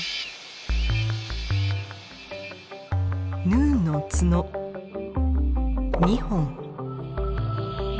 ヌーの角２本。